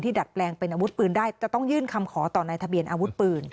ดัดแปลงเป็นอาวุธปืนได้จะต้องยื่นคำขอต่อในทะเบียนอาวุธปืน